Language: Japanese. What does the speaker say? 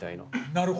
なるほど。